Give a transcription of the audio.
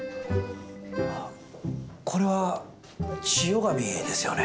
これは千代紙ですよね？